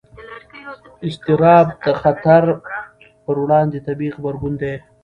اضطراب د خطر پر وړاندې طبیعي غبرګون دی.